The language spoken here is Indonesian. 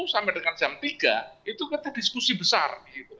sampai dengan jam tiga itu kita diskusi besar